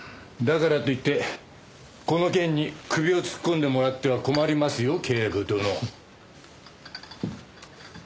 だからといってこの件に首を突っ込んでもらっては困りますよ警部殿。